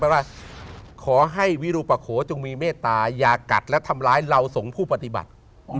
ว่าขอให้วิรุปะโขจงมีเมตตาอย่ากัดและทำร้ายเราสงผู้ปฏิบัติ